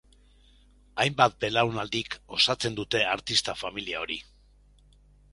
Hainbat belaunaldik osatzen dute artista familia hori.